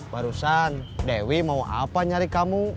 barusan dewi mau apa nyari kamu